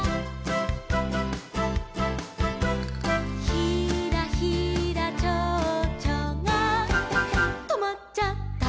「ひらひらちょうちょがとまっちゃった」